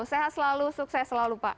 sehat selalu sukses selalu pak